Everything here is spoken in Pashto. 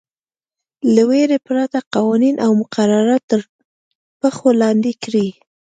له وېرې پرته قوانین او مقررات تر پښو لاندې کړي.